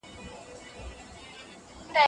ښځه حق لري چې د بد سلوک خلاف انتقاد وکړي.